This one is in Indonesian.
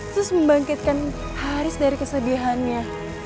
terus membangkitkan haris dari kesedihannya